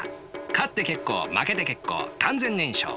勝って結構負けて結構完全燃焼。